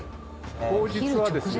当日はですね